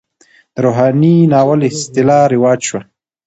د روحاني ناول اصطلاح رواج شوه.